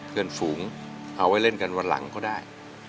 เพื่อนฝูงเอาไว้เล่นกันวันหลังก็ได้